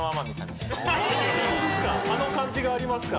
あの感じがありますか？